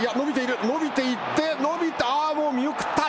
のびていって、のびた、見送った。